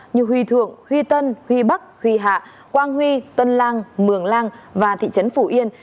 như huy thượng huy tân huy bắc huy hạ quang huy tân lang mường lang và thị trấn phủ yên